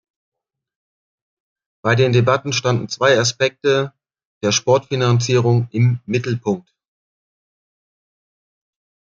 Bei den Debatten standen zwei Aspekte der Sportfinanzierung im Mittelpunkt.